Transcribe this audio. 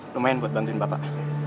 lumayan buat bantuin bapak